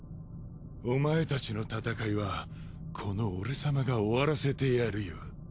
お前たちの戦いはこの俺様が終わらせてやるよ。